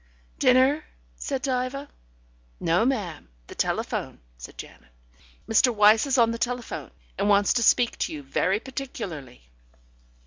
"Dinner?" said Diva. "No, ma'am, the telephone," said Janet. "Mr. Wyse is on the telephone, and wants to speak to you very particularly."